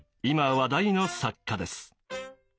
話題の作家です。